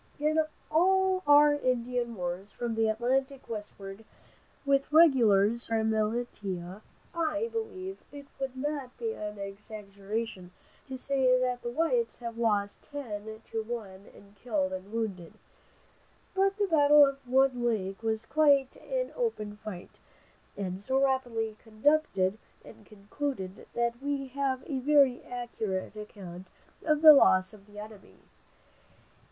In all our Indian wars, from the Atlantic westward, with regulars or militia, I believe it would not be an exaggeration to say that the whites have lost ten to one in killed and wounded. But the battle of Wood Lake was quite an open fight, and so rapidly conducted and concluded that we have a very accurate account of the loss of the enemy.